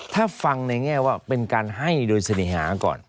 ถ้าฟังในแง่ว่าเป็นการให้โดยเสน่หาก่อน